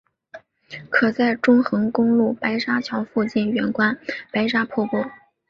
可在中横公路白沙桥附近远观白沙瀑布。